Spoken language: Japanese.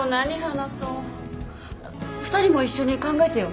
２人も一緒に考えてよ。